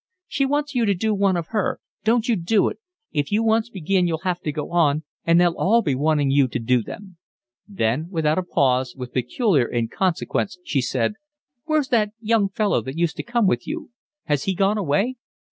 "She wants you to do one of her. Don't you do it. If you once begin you'll have to go on, and they'll all be wanting you to do them." Then without a pause, with peculiar inconsequence, she said: "Where's that young fellow that used to come with you? Has he gone away?"